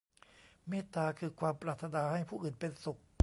เมตตาคือความปรารถนาให้ผู้อื่นเป็นสุข